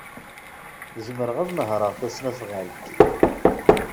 Zemreɣ ad nehṛeɣ tasnasɣalt.